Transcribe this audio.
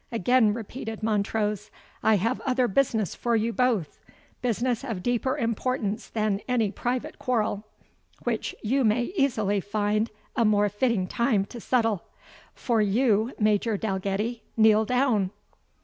again repeated Montrose; "I have other business for you both, business of deeper importance than any private quarrel, which you may easily find a more fitting time to settle. For you, Major Dalgetty, kneel down."